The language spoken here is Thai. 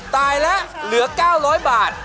ตายแล้วเหลือ๙๐๐บาท